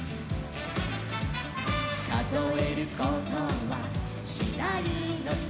「かぞえることはしないのさ」